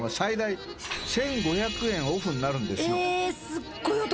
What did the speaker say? すっごいお得。